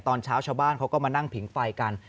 ตอนเช้าชาวบ้านเขาก็มานั่งผิงไฟกัน